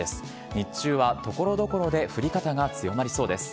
日中はところどころで降り方が強まりそうです。